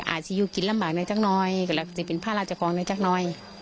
อาจจะอยู่กินลำบากในจักรน้อยก็จะเป็นภาระจักรของในจักรน้อย